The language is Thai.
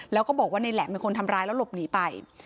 แล้วก็บอกว่าในแหลมเป็นคนทำร้ายแล้วหลบหนีไป